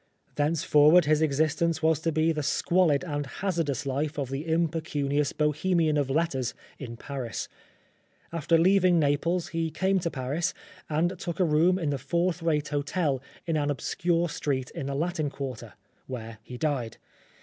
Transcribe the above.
Thenceforward his existence was to be the squalid and hazardous life of the impecunious Bohemian of letters in Paris. After leaving Naples he came to Paris and took a room in the fourth rate hotel in an obscure street in the Latin Quarter, where he died.